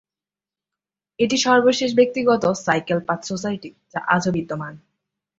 এটি সর্বশেষ ব্যক্তিগত "সাইকেল পাথ সোসাইটি" যা আজও বিদ্যমান।